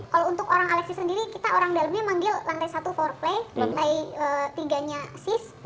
kalau untuk orang alexi sendiri kita orang dalamnya manggil lantai satu for play lantai tiga nya sis